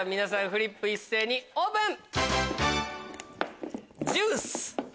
フリップ一斉にオープン！